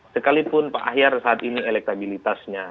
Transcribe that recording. sekalipun pak ahyar saat ini elektabilitasnya